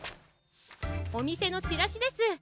おみせのチラシです。